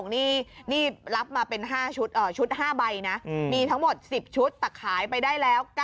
นี่รับมาเป็น๕ชุดชุด๕ใบนะมีทั้งหมด๑๐ชุดแต่ขายไปได้แล้ว